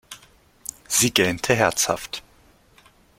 Sie gähnte herzhaft.